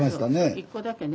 １個だけね。